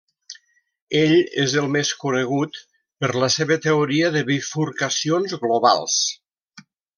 Ell és el més conegut per la seva teoria de bifurcacions globals.